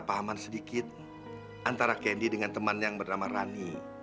pahaman sedikit antara kendi dengan teman yang bernama rani